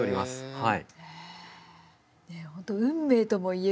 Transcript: はい。